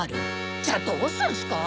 じゃあどうするんすか？